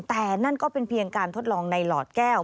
แต่นั่นก็เป็นเพียงการทดลองในหลอดแก้ว